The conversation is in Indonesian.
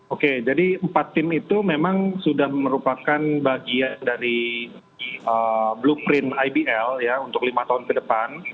oke jadi empat tim itu memang sudah merupakan bagian dari blueprint ibl ya untuk lima tahun ke depan